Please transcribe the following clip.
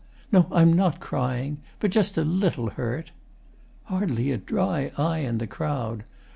] No, I'm not crying, But just a little hurt. [Hardly a dry eye in the crowd.